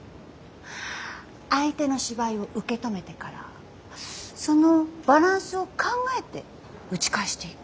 相手の芝居を受け止めてからそのバランスを考えて打ち返していく。